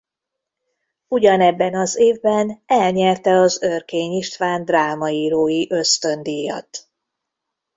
Ugyanebben az évben elnyerte az Örkény István drámaírói ösztöndíjat.